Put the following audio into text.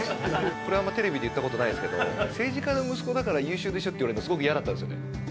これはあんまりテレビで言った事ないですけど「政治家の息子だから優秀でしょ」って言われるのすごく嫌だったんですよね。